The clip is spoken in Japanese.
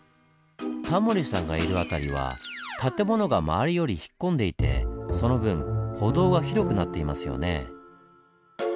タモリさんがいる辺りは建物が周りより引っ込んでいてその分歩道は広くなっていますよね。